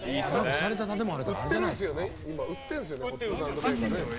しゃれた建物あるからあれじゃないですか。